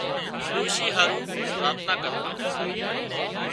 اِي ڏوشي هارو پراٿنا ڪرتان